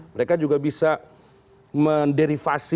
mereka juga bisa menderivasi